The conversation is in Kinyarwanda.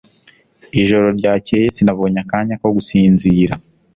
Ijoro ryakeye sinabonye akanya ko gusinzira.